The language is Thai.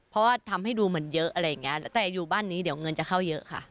เพราะว่าทำให้ดูเหมือนเยอะอะไรอย่างเงี้ยแต่อยู่บ้านนี้เดี๋ยวเงินจะเข้าเยอะค่ะ